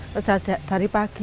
kerja dari pagi